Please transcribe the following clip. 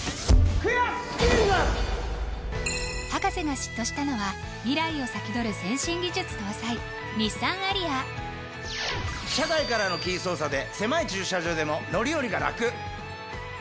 博士が嫉妬したのは未来を先取る先進技術搭載日産アリア車外からのキー操作で狭い駐車場でも乗り降りがラク！